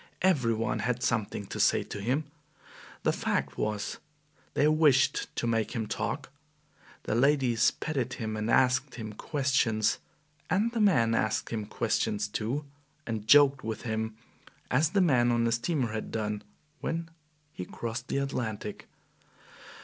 Every one had something to say to him. The fact was they wished to make him talk. The ladies petted him and asked him questions, and the men asked him questions too, and joked with him, as the men on the steamer had done when he crossed the Atlantic.